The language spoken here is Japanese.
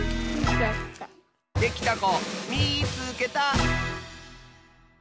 できたこみいつけた！